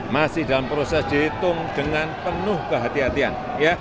masih dalam proses dihitung dengan penuh kehatian